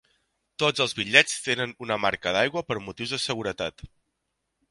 Tots els bitllets tenen una marca d'aigua per motius de seguretat.